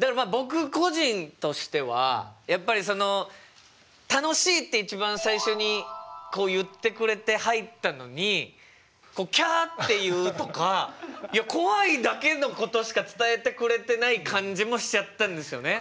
だからまあ僕個人としてはやっぱりその「楽しい」って一番最初に言ってくれて入ったのに「キャ」って言うとかいや怖いだけのことしか伝えてくれてない感じもしちゃったんですよね。